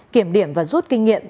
kiểm điểm và rút kinh nghiệm